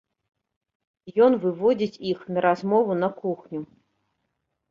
Ён выводзіць іх на размову на кухню.